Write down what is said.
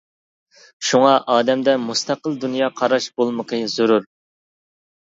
شۇڭا ئادەمدە مۇستەقىل دۇنيا قاراش بولمىقى زۆرۈر.